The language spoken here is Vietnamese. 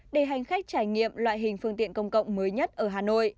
để hành khách trải nghiệm loại hình phương tiện công cộng mới nhất ở hà nội